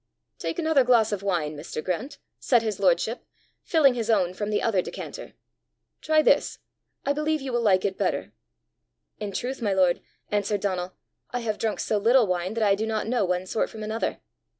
"Take another glass of wine, Mr. Grant," said his lordship, filling his own from the other decanter. "Try this; I believe you will like it better." "In truth, my lord," answered Donal, "I have drunk so little wine that I do not know one sort from another."